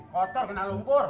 kotor kena lumpur